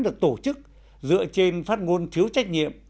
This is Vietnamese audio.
được tổ chức dựa trên phát ngôn thiếu trách nhiệm